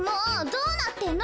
どうなってんの？